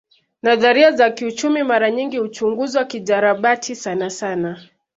Nadharia za kiuchumi mara nyingi huchunguzwa kijarabati sanasana